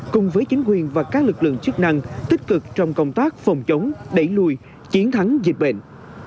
cùng với chính quyền và các lực lượng chức năng tích cực trong công tác phòng chống đẩy lùi chiến thắng dịch bệnh